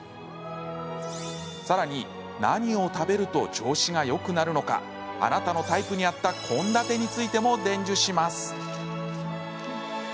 さらに、何を食べると調子がよくなるのかあなたのタイプに合った献立についても伝授します。